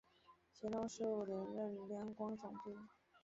乾隆十五年任两广总督。